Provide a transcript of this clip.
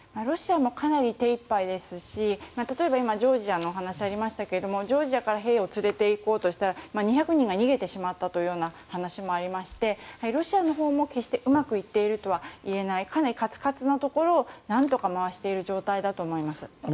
ロシアもかなり手いっぱいですし例えば今ジョージアのお話がありましたがジョージアから兵を連れていこうとしたら２００人が逃げてしまったという話もありまして、ロシアのほうも決してうまくいっているとは言えないかなりカツカツのところをなんとか回している状態だと思います。